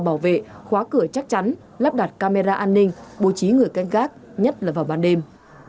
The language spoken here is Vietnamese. bảo vệ khóa cửa chắc chắn lắp đặt camera an ninh bố trí người canh gác nhất là vào ban đêm